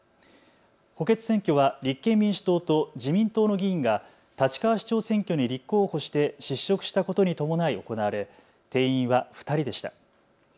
補欠選挙は立憲民主党と自民党の議員が立川市長選挙に立候補して失職したことに伴い行われ定員は２人でした。